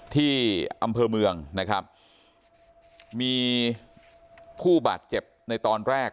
ที่อำเภอเมืองนะครับมีผู้บาดเจ็บในตอนแรก